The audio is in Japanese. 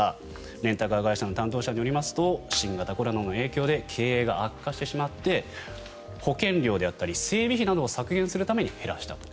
レンタカー会社の担当者によりますと新型コロナの影響で経営が悪化してしまって保険料であったり整備費などを削減するために減らしたと。